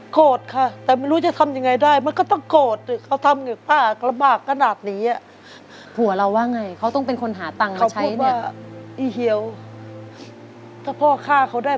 โกสแต่ไม่รู้จะทำยังไงได้